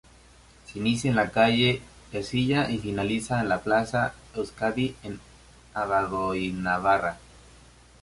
Se inicia en la calle Ercilla y finaliza en la plaza Euskadi, en Abandoibarra.